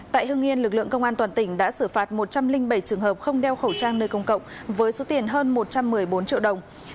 tại hương yên lực lượng công an toàn tỉnh đã xử phạt một trăm linh bảy trường hợp không đeo khẩu trang nơi công cộng với số tiền hơn một trăm một mươi bốn triệu đồng